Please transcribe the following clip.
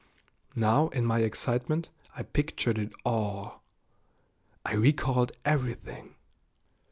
Now in my excitement I pictured it all. I recalled everything.